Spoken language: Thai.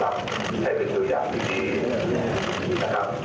ให้เป็นตัวอย่างที่ดีนะครับ